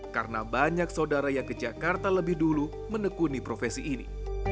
karena banyak saudara yang ke jakarta lebih dulu menekuni profesi ini